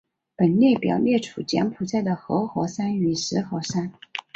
本列表列出柬埔寨的活火山与死火山。